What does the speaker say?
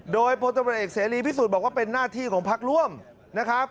โดยพลตำรวจเอกเสรีพิสุทธิ์บอกว่าเป็นหน้าที่ของพักร่วมนะครับ